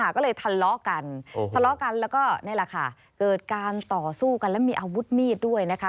ก็เลยทะเลาะกันทะเลาะกันแล้วก็นี่แหละค่ะเกิดการต่อสู้กันและมีอาวุธมีดด้วยนะคะ